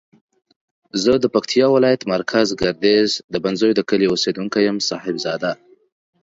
زه د پکتیاولایت مرکز ګردیز د بنزیو دکلی اوسیدونکی یم صاحب زاده